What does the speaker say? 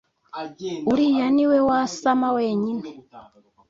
uriya niwe wasama wenyine